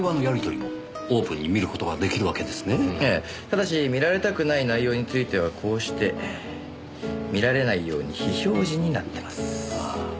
ただし見られたくない内容についてはこうして見られないように非表示になってます。